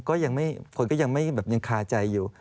คนก็ยังคาใจอยู่